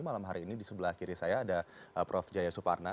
malam hari ini di sebelah kiri saya ada prof jaya suparna